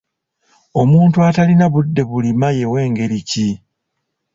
Omuntu atalina budde bulima ye w'engeri ki?